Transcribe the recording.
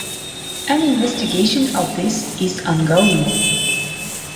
An investigation of this is ongoing.